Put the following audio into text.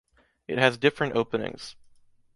It has different openings.